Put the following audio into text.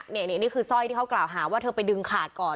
นี่คือสร้อยที่เขากล่าวหาว่าเธอไปดึงขาดก่อน